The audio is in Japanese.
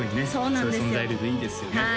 そういう存在がいるといいですよね